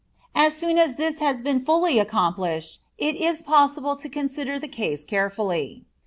As soon as this has been fully accomplished, it is possible to consider the case carefully.